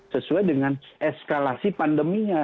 sesuai dengan eskalasi pandeminya